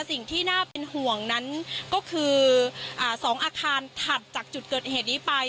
สิ่งที่น่าเป็นห่วงนั้นก็คือ๒อาคารถัดจากจุดเกิดเหตุนี้ไป